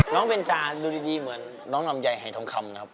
เบนจาดูดีเหมือนน้องลำไยหายทองคำนะครับ